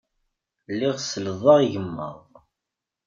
Lliɣ sellḍeɣ igmaḍ.